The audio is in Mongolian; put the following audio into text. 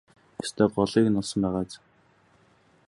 Ёстой голыг нь олсон байгаа биз?